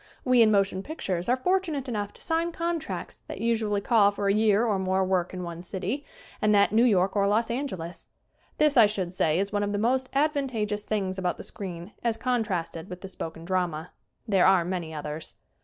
We, in motion pictures, are fortunate enough to sign contracts that usually call for a year or more work in one city and that New York or Los Angeles. This, I should say, is one of the most advantageous things about the screen as contrasted with the spoken drama. There are many others.